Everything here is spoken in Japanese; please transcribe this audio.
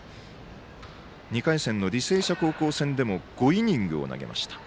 ２回戦の履正社高校戦でも５イニングを投げました。